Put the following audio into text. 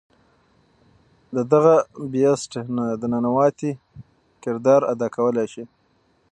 د دغه “Beast” نه د ننواتې کردار ادا کولے شي